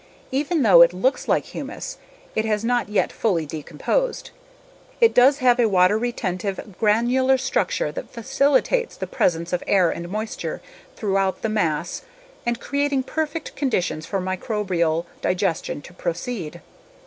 Even though it looks like humus, it has not yet fully decomposed. It does have a water retentive, granular structure that facilitates the presence of air and moisture throughout the mass creating perfect conditions for microbial digestion to proceed.